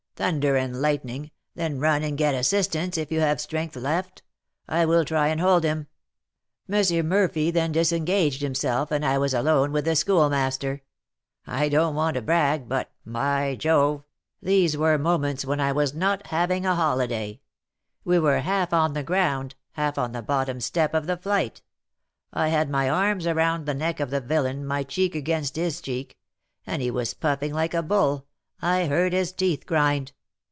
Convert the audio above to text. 'Thunder and lightning! then run and get assistance, if you have strength left; I will try and hold him.' M. Murphy then disengaged himself, and I was alone with the Schoolmaster. I don't want to brag, but, by Jove! these were moments when I was not having a holiday. We were half on the ground, half on the bottom step of the flight. I had my arms round the neck of the villain, my cheek against his cheek; and he was puffing like a bull, I heard his teeth grind.